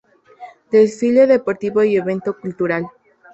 Desfile deportivo y evento cultural.